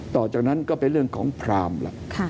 ต่อจากนั้นก็เป็นเรื่องของพรามแล้ว